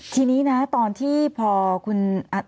ทีนี้นะตอนที่พอคุณ